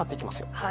はい。